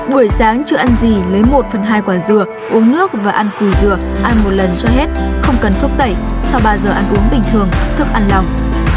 buổi sáng chưa ăn gì lấy một phần hai quả dừa uống nước và ăn cùi dừa ăn một lần cho hết không cần thuốc tẩy sau ba giờ ăn uống bình thường thức ăn lòng